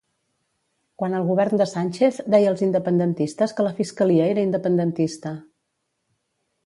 Quan el govern de Sánchez deia als independentistes que la fiscalia era independentista.